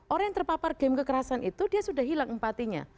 orang yang terpapar game kekerasan itu dia sudah hilang empatinya